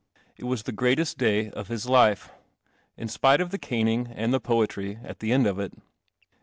It was the greatest day of his life, in spite of the caning and the poetry at the end of it.